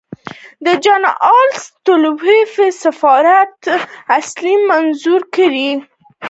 د جنرال سټولیتوف سفارت اصلاً منظور کړی نه وو.